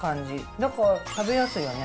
だから、食べやすいよね。